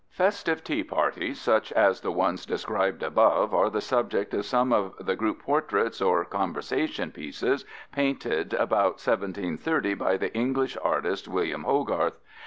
" Festive tea parties such as the ones described above are the subject of some of the group portraits or conversation pieces painted about 1730 by the English artist William Hogarth.